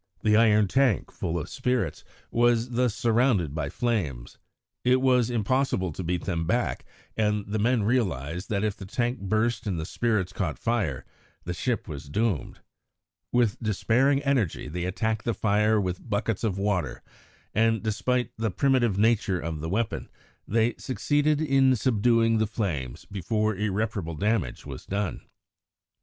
The iron tank, full of spirits, was thus surrounded by flames. It was impossible to beat them back, and the men realised that if the tank burst and the spirits caught fire, the ship was doomed. With despairing energy they attacked the fire with buckets of water, and, despite the primitive nature of the weapon, they succeeded in subduing the flames before irreparable damage was done.